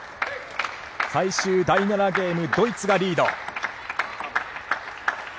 最終第７ゲームドイツがリード。